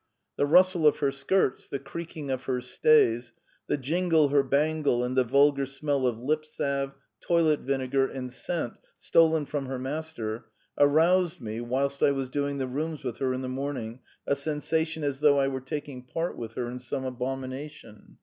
The rustle of her skirts, the creaking of her stays, the jingle her bangle and the vulgar smell of lip salve, toilet vinegar, and scent stolen from her master, aroused me whilst I was doing the rooms with her in the morning a sensation as though I were taking part with her in some abomination.